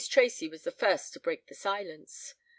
Tracy was the first to break the silence.